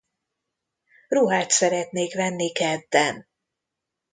Ruhát szeretnék venni kedden.